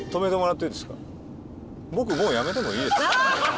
僕もうやめてもいいですか？